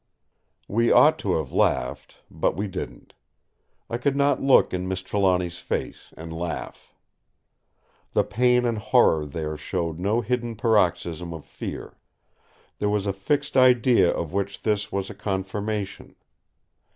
We ought to have laughed, but we didn't. I could not look in Miss Trelawny's face and laugh. The pain and horror there showed no sudden paroxysm of fear; there was a fixed idea of which this was a confirmation.